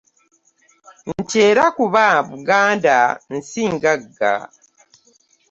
Nti era kuba Buganda nsi ngagga.